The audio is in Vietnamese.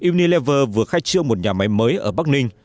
unilever vừa khai trương một nhà máy mới ở bắc ninh